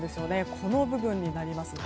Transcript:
この部分になります。